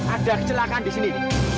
ada kecelakaan disini